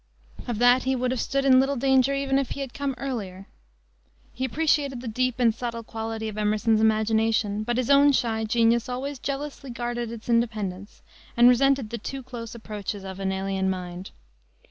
Of that he would have stood in little danger even had he come earlier. He appreciated the deep and subtle quality of Emerson's imagination, but his own shy genius always jealously guarded its independence and resented the too close approaches of an alien mind.